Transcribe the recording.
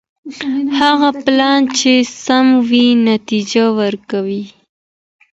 هغه پلان چي سم وي نتيجه ورکوي.